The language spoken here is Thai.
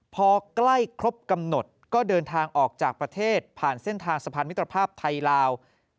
พอใกล้ครบกำหนดก็เดินทางออกจากประเทศผ่านเส้นทางสะพานมิตรภาพไทยลาว